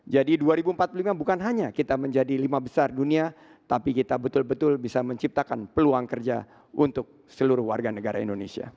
jadi dua ribu empat puluh lima bukan hanya kita menjadi lima besar dunia tapi kita betul betul bisa menciptakan peluang kerja untuk seluruh warga negara indonesia